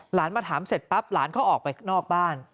หลานมาถามเสร็จปั๊บหลานเขาออกไปข้างนอกบ้าน